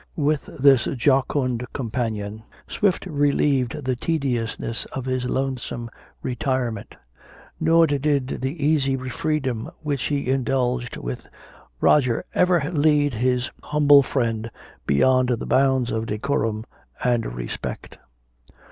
With this jocund companion Swift relieved the tediousness of his lonesome retirement; nor did the easy freedom which he indulged with Roger ever lead his humble friend beyond the bounds of decorum and respect.